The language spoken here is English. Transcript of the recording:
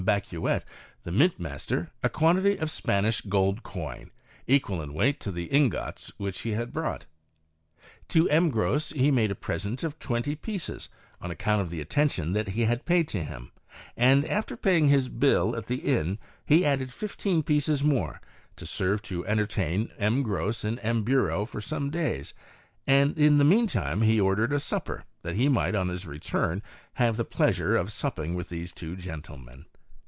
Bacuet, the mint master, a quantity of Spanish gold coin, equal in weight to the ingots which he had brought. To M. Gros he made a present of twenty pieces, on account of the attention that he had paid to him ; and, after paying his bill at the inn, he added fifteen pieces more, to serve to entertain M. Gros and M. Bureau for some days, and in the mean time he ordered a supper, that he might, on his return, have the plea sure of supping with these two gentlemen.